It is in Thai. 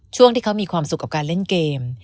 ช่วงที่เขามีความสุขกับการเล่นเกม